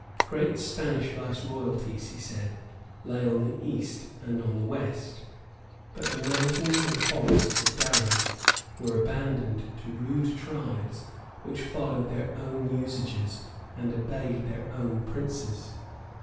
Great Spanish viceroyalties, he said, lay on the east and on the west; but the mountains and forests of Darien were abandoned to rude tribes which followed their own usages and obeyed their own princes.